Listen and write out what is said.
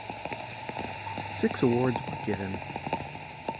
Six awards were given.